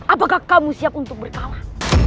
apakah kamu siap untuk berkalah